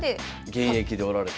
現役でおられたと。